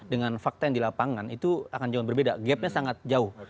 dengan fakta yang di lapangan itu akan jauh berbeda gapnya sangat jauh